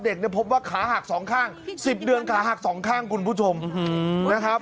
พบว่าขาหักสองข้าง๑๐เดือนขาหักสองข้างคุณผู้ชมนะครับ